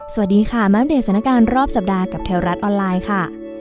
สวัสดีค่ะมาอัเดตสถานการณ์รอบสัปดาห์กับแถวรัฐออนไลน์ค่ะ